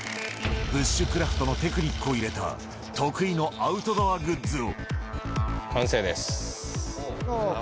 ブッシュクラフトのテクニックを入れた、得意のアウトドアグッズ完成です。